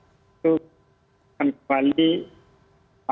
itu akan bangkit indonesia tentu akan kembali jaya